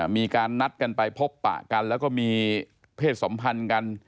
มีการนัดกันไปพบปะกันแล้วก็มีเพศสัมพันธ์กัน